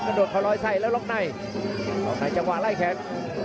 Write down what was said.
พยายามจะตีจิ๊กเข้าที่ประเภทหน้าขาครับ